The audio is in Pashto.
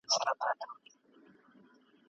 هر ډول کثافات د ځان لپاره زینه کړئ.